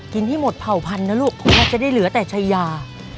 กินที่หมดเผาพันธุ์นะลูกผมอาจจะได้เหลือแต่ไชยา